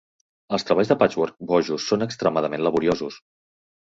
Els treballs de patchwork bojos són extremadament laboriosos.